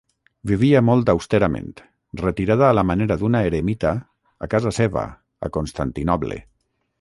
Vivia molt austerament, retirada a la manera d'una eremita, a casa seva, a Constantinoble.